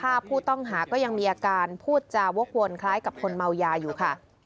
ผู้ต้องหาก็ยังมีอาการพูดจาวกวนคล้ายกับคนเมายาอยู่ค่ะ